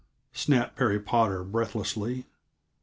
snapped Perry Potter breathlessly.